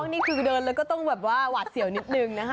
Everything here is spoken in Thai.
นี่คือไปเดินแล้วก็ต้องหวาดเสี่ยวนิดหนึ่งนะครับ